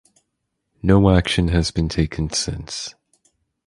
No action has been taken since.